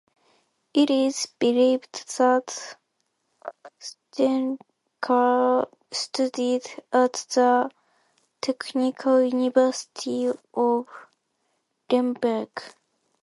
It is believed that Schenker studied at the Technical University of Lemberg.